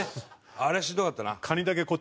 あれはしんどかったな。